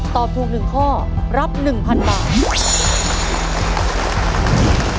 ตอบถูก๑ข้อรับ๑๐๐๐บาท